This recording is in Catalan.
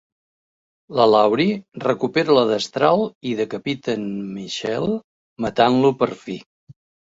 La Laurie recupera la destral i decapita en Michael, matant-lo per fi.